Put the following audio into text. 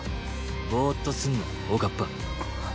ボーッとすんなおかっぱ。